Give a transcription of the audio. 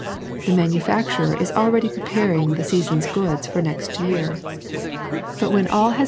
The manufacturer is already preparing the season's goods for next year. But when all has been 3.